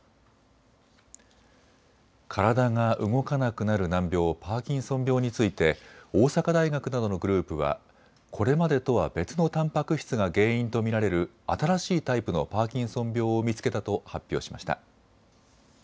体が動かなくなる難病、パーキンソン病について大阪大学などのグループはこれまでとは別のたんぱく質が原因と見られる新しいタイプのパーキンソン病を見つけたと発表しました。